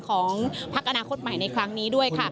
ของพักอนาคตใหม่ในครั้งนี้ด้วยค่ะ